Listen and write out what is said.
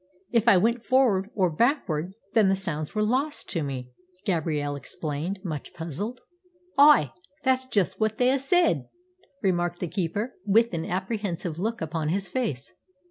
"If I went forward or backward, then the sounds were lost to me," Gabrielle explained, much puzzled. "Ay. That's juist what they a' said," remarked the keeper, with an apprehensive look upon his face.